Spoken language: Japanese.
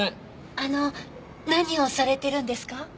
あの何をされてるんですか？